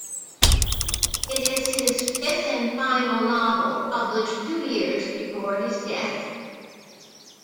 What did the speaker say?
It is his fifth and final novel, published two years before his death.